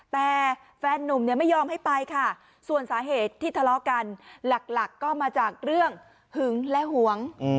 แต่แฟนนุ่มเนี่ยไม่ยอมให้ไปค่ะส่วนสาเหตุที่ทะเลาะกันหลักก็มาจากเรื่องหึงและหวง